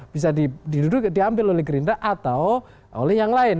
bisa diambil oleh gerindra atau oleh yang lain